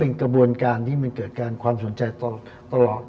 เป็นกบวนการที่มันเกิดใจตลอด